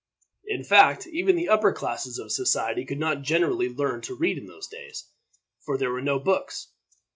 In fact, even the upper classes of society could not generally learn to read in those days, for there were no books.